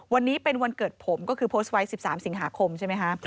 วันนี้เป็นวันเกิดผมก็คือโพสต์ไว้๑๓สิงหาคมใช่ไหมคะ